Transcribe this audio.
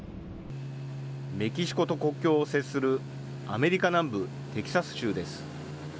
メキシコと国境を接するアメリカ南部テキサス州です。